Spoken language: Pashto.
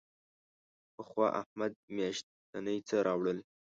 پخوا احمد میاشتنی څه راوړل.